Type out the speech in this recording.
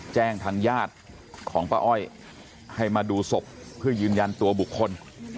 แจ้งทางญาติของป้าอ้อยให้มาดูศพเพื่อยืนยันตัวบุคคล